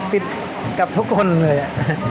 ปิดกับทุกคนเลย